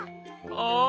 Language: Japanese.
ああ。